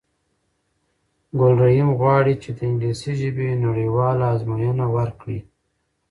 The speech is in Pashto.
ګل رحیم غواړی چې د انګلیسی ژبی نړېواله آزموینه ورکړی